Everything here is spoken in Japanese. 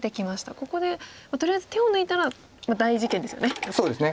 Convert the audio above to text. ここでとりあえず手を抜いたら大事件ですよね。